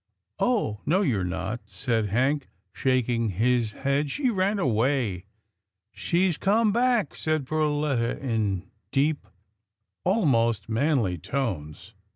" Oh no you're not," said Hank shaking his head. " She ran away." " She's come back," said Perletta in deep, almost manly tones.